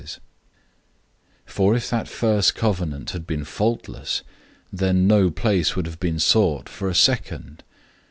008:007 For if that first covenant had been faultless, then no place would have been sought for a second.